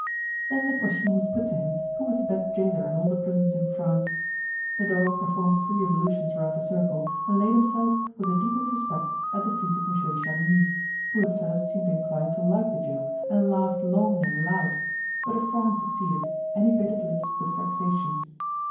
Then the question was put to him who was the best jailer in all the prisons in France. The dog performed three evolutions around the circle and laid himself, with the deepest respect, at the feet of Monsieur de Chavigny, who at first seemed inclined to like the joke and laughed long and loud, but a frown succeeded, and he bit his lips with vexation.